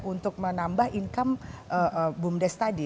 untuk menambah income bumdes tadi